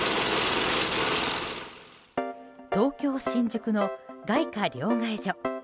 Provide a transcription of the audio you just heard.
東京・新宿の外貨両替所。